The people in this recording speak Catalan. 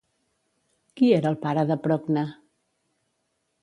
Qui era el pare de Procne?